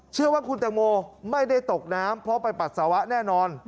เชื่อว่าคุณตังโมไม่ได้ตกน้ำเพราะไปปัสสาวะแน่นอน